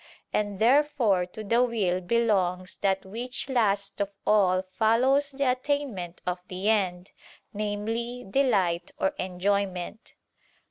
And therefore to the will belongs that which last of all follows the attainment of the end, viz. delight or enjoyment.